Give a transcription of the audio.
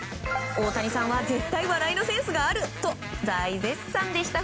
大谷さんは絶対に笑いのセンスがあると大絶賛でした。